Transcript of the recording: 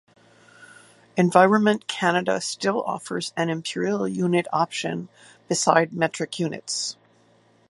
Environment Canada still offers an imperial unit option beside metric units.